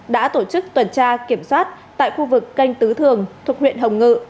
đã tổ chức tuần tra kiểm soát tại khu vực canh tứ thường thuộc huyện hồng ngự